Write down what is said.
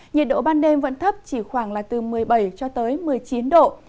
nhiệt độ ban đêm vẫn thấp chỉ khoảng là từ một mươi bảy cho tới một mươi chín độ